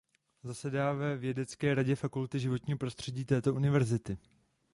Zasedá ve vědecké radě Fakulty životního prostředí této univerzity.